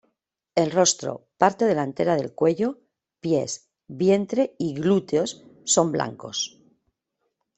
El rostro, parte delantera del cuello, pies, vientre y glúteos son blancos.